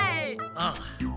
ああ。